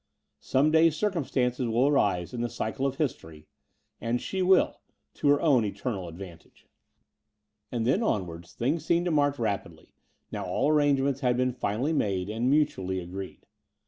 Some day circumstances will arise in the cycle of history: and she will — ^to her own eternal ad vantage. The Dower House 281 XI And then onwards things seemed to march rapidly, now all arrangements had been finally made and mutually agreed.